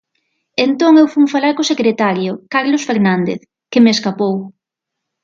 Entón eu fun falar co secretario, Carlos Fernández, que me escapou.